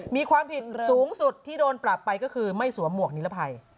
มีความผิดสูงสุดที่โดนปรับไปก็คือไม่สวมหวกนิรภัย